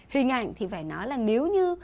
hình ảnh thì phải nói là nếu như